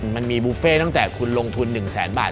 มันมีบุฟเฟ่ตั้งแต่คุณลงทุน๑แสนบาท